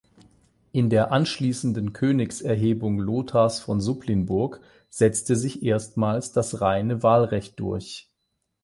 In der anschließenden Königserhebung Lothars von Supplinburg setzte sich erstmals das reine Wahlrecht durch.